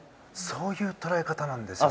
そういう捉え方なんですね。